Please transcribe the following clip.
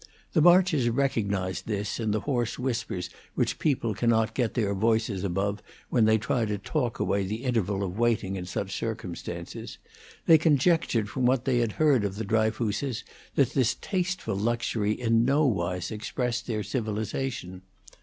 The Marches recognized this in the hoarse whispers which people cannot get their voices above when they try to talk away the interval of waiting in such circumstances; they conjectured from what they had heard of the Dryfooses that this tasteful luxury in no wise expressed their civilization.